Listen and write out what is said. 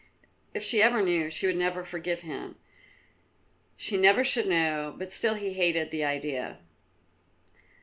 If she ever knew, she would never forgive him. She never should know, but still he hated the idea.